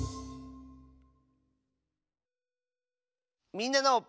「みんなの」。